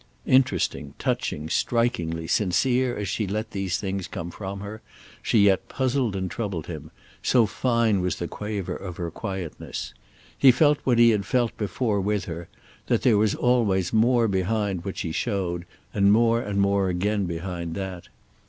Interesting, touching, strikingly sincere as she let these things come from her, she yet puzzled and troubled him—so fine was the quaver of her quietness. He felt what he had felt before with her, that there was always more behind what she showed, and more and more again behind that.